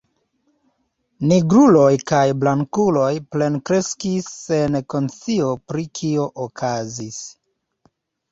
Nigruloj kaj blankuloj plenkreskis sen konscio pri kio okazis.